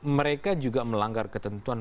mereka juga melanggar ketentuan